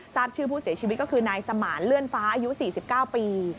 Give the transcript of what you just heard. ทราบชื่อผู้เสียชีวิตก็คือนายสมานเลื่อนฟ้าอายุ๔๙ปี